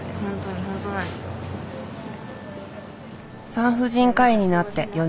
産婦人科医になって４年。